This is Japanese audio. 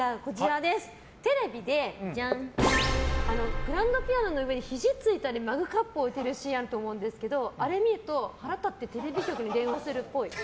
テレビでグランドピアノの上にひじついたりマグカップ置いてるシーンがあると思うんですけどあれを見ると腹立ってテレビ局に電話するっぽい。